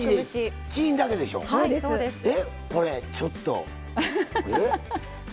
これちょっと。